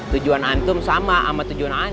tujuan antum sama sama tujuannya ana